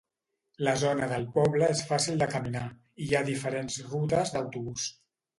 La zona del poble és fàcil de caminar, i hi ha diferents rutes d'autobús.